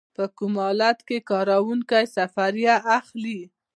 په کوم حالت کې کارکوونکی سفریه اخلي؟